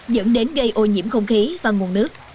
dẫn đến gây ô nhiễm không khí và nguồn nước